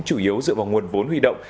chủ yếu dựa vào nguồn vốn huy động